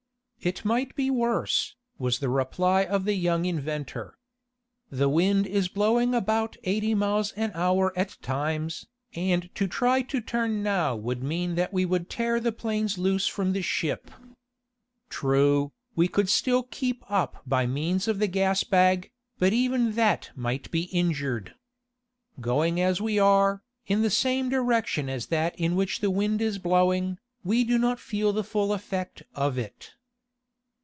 "It might be worse," was the reply of the young inventor. "The wind is blowing about eighty miles an hour at times, and to try to turn now would mean that we would tear the planes loose from the ship. True, we could still keep up by means of the gas bag, but even that might be injured. Going as we are, in the same direction as that in which the wind is blowing, we do not feel the full effect of it."